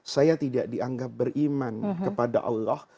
saya tidak dianggap beriman kepada allah